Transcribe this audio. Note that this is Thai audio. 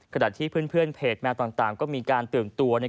ขณะที่เพื่อนเพจแมวต่างก็มีการตื่นตัว